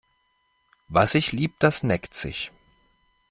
Was sich liebt, das neckt sich.